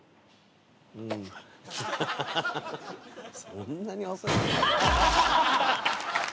そんなに遅く。